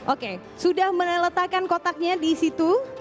oke sudah meletakkan kotaknya disitu